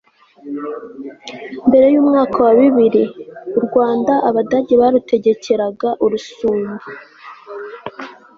mbere y'umwaka wa bibiri, u rwanda abadage barutegekeraga urusumbu